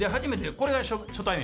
これが初対面。